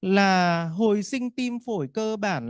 là hồi sinh tim phổi cơ bản